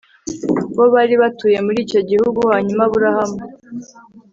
bo bari batuye muri icyo gihugu Hanyuma Aburamu